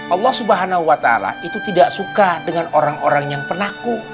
allah subhanahu wa ta'ala itu tidak suka dengan orang orang yang penaku